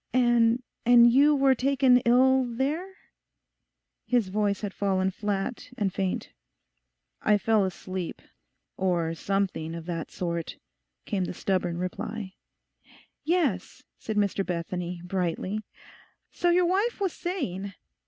'And and you were taken ill there?' His voice had fallen flat and faint. 'I fell asleep—or something of that sort,' came the stubborn reply. 'Yes,' said Mr Bethany, brightly, 'so your wife was saying.